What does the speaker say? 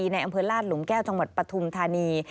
ในอำเภอลาดหลุมแก้วจังหวัดปฐุมธานี